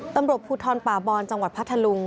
ตำรวจผู้ทอนป่าบอลจังหวัดพระทะลุง